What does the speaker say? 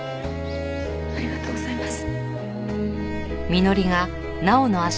ありがとうございます。